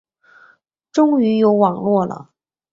终于有网路了